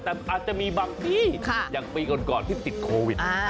แต่อาจจะมีบางที่อย่างปีก่อนที่ติดโควิด